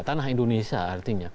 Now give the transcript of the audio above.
tanah indonesia artinya